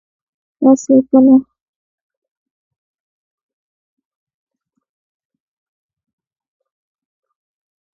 تاسو کله لوګر ته ځئ؟